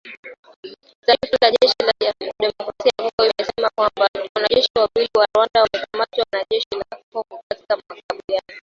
Taarifa ya jeshi la Jamhuri ya Kidemokrasia ya Kongo imesema kwamba wanajeshi wawili wa Rwanda wamekamatwa na jeshi la Kongo katika makabiliano